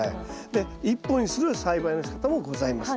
で１本にする栽培のしかたもございます。